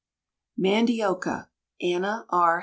MANDIOCA. ANNA R.